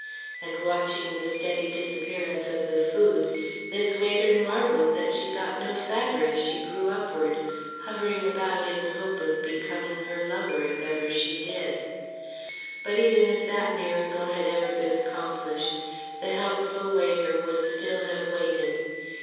And, watching the steady disappearance of the food, this waiter marvelled that she got no fatter as she grew upward, hovering about in hope of becoming her lover if she ever did. But even if that miracle had ever been accomplished the helpful waiter would still have waited.